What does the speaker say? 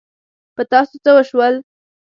په تاسو څه وشول؟